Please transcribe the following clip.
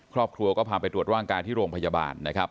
ครอบครัวก็พาไปตรวจร่างกายที่โรงพยาบาลนะครับ